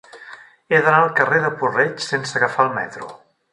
He d'anar al carrer de Puig-reig sense agafar el metro.